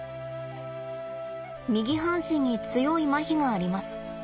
右半身に強いまひがあります。